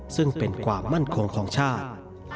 ซึ่งเป็นความมั่นคงของชาติ